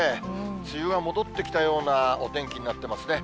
梅雨が戻ってきたようなお天気になっていますね。